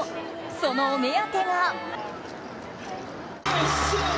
そのお目当ては。